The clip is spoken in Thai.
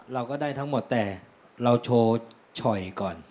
เราได้ทั้งหมดแต่เราโชชอยก่อน